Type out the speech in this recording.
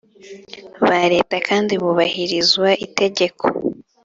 ba leta kandi hubahirizwa itegeko